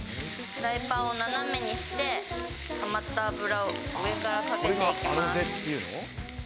フライパンを斜めにして、たまった油を上からかけていきます。